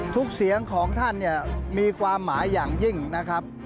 เสียงของท่านเนี่ยมีความหมายอย่างยิ่งนะครับ